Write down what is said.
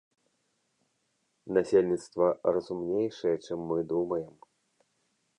Насельніцтва разумнейшае, чым мы думаем.